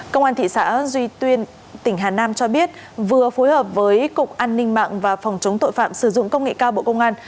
công an thị xã duy tuyên tỉnh hà nam cho biết vừa phối hợp với cục an ninh mạng và phòng chống tội phạm sử dụng công nghệ cao bộ công an